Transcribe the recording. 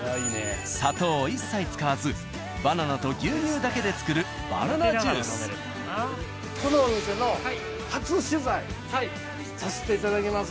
砂糖を一切使わずバナナと牛乳だけで作るこのお店の初取材させていただきます。